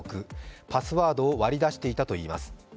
パスワードを割り出していたといいます。